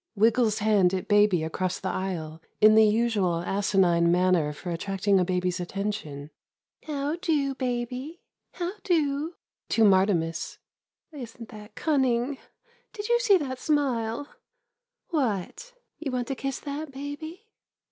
[Wiggles hand at baby across the aisle, in the usual asinine manner for attracting a baby's attention.'] How do — baby — how do! [To M.] Is n't that cunning? Did you see that smile? What — you want to kiss that baby?